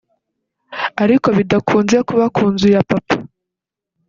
ariko bidakunze kuba kunzu ya Papa